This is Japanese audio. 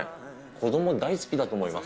子ども大好きだと思います。